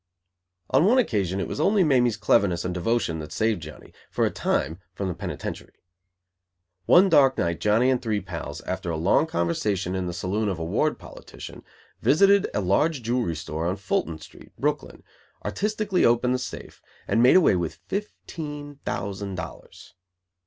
On one occasion it was only Mamie's cleverness and devotion that saved Johnny, for a time, from the penitentiary. One dark night Johnny and three pals, after a long conversation in the saloon of a ward politician, visited a large jewelry store on Fulton Street, Brooklyn, artistically opened the safe, and made away with fifteen thousand dollars.